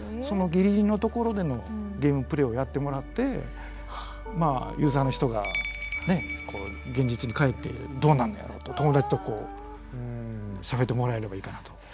そのギリギリのところでのゲームプレイをやってもらってまあユーザーの人がねこう現実に帰ってどうなんやろと友達とこうしゃべってもらえればいいかなと。